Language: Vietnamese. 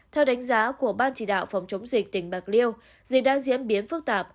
theo đánh giá của ban chỉ đạo phòng chống dịch tỉnh bạc liêu dịch đang diễn biến phức tạp